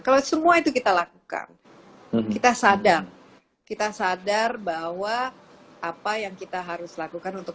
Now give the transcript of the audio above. kalau semua itu kita lakukan kita sadar kita sadar bahwa apa yang kita harus lakukan untuk